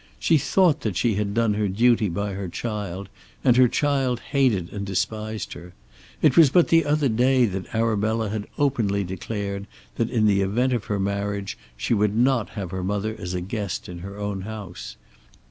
She thought that she had done her duty by her child, and her child hated and despised her. It was but the other day that Arabella had openly declared that in the event of her marriage she would not have her mother as a guest in her own house.